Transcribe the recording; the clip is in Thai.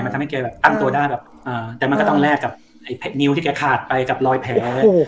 มันทำให้แกแบบตั้งตัวได้แบบแต่มันก็ต้องแลกกับไอ้นิ้วที่แกขาดไปกับรอยแผล